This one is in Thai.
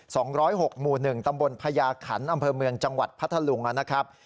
สองร้อยหกหมู่หนึ่งตำบลพญาขันอำเภอเมืองจังหวัดพัทธลุงนะครับ